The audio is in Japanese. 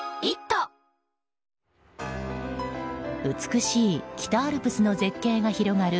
美しい北アルプスの絶景が広がる